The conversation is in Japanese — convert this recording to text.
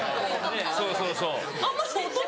そうそうそう。